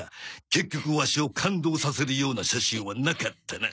結局ワシを感動させるような写真はなかったな！